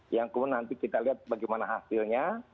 yang kemudian nanti kita lihat bagaimana hasilnya